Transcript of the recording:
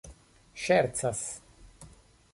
ŝercas